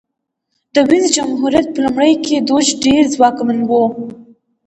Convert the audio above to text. د وینز جمهوریت په لومړیو کې دوج ډېر ځواکمن و